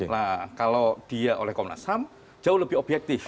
nah kalau dia oleh komnas ham jauh lebih objektif